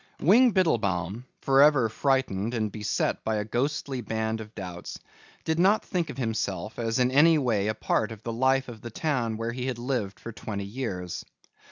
Wing Biddlebaum, forever frightened and beset by a ghostly band of doubts, did not think of himself as in any way a part of the life of the town where he had lived for twenty years.